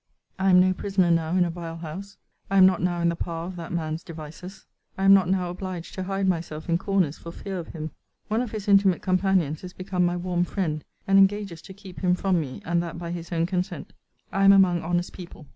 I am no prisoner now in a vile house. I am not now in the power of that man's devices. I am not now obliged to hide myself in corners for fear of him. One of his intimate companions is become my warm friend, and engages to keep him from me, and that by his own consent. I am among honest people.